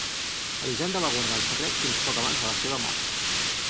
Elisenda va guardar el secret fins poc abans de la seva mort.